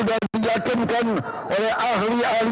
diakinkan oleh ahli ahli